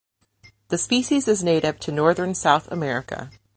The species is native to northern South America.